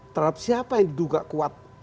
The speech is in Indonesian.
terhadap siapa yang diduga kuat